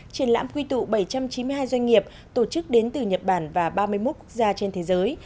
triển lãm quy tụ bảy trăm chín mươi hai doanh nghiệp tổ chức đến từ nhật bản và ba mươi một quốc gia trên thế giới